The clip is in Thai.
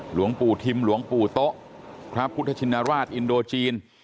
หลวงปู่ทิมหลวงปู่โต๊ะพระพุทธชินราชอินโดจีน